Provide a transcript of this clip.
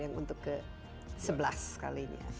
yang untuk ke sebelas kali ini